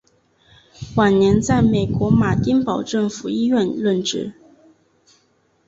晚年在美国马丁堡政府医院任职。